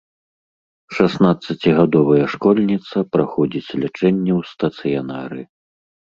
Шаснаццацігадовая школьніца праходзіць лячэнне ў стацыянары.